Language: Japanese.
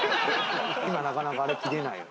今なかなかあれ切れないよ。